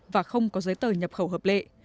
và không có giới tờ nhập khẩu hợp lệ